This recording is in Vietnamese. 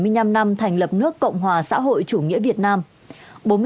bảy mươi năm năm thành lập nước cộng hòa xã hội chủ nghĩa việt nam